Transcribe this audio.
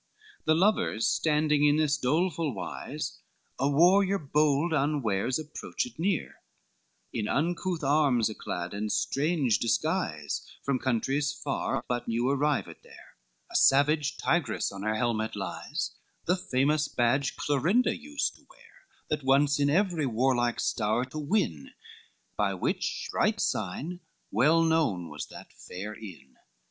XXXVIII The lovers standing in this doleful wise, A warrior bold unwares approached near, In uncouth arms yclad and strange disguise, From countries far, but new arrived there, A savage tigress on her helmet lies, The famous badge Clorinda used to bear; That wonts in every warlike stowre to win, By which bright sign well known was that fair inn.